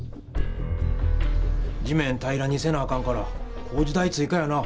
地面平らにせなあかんから工事代追かやな！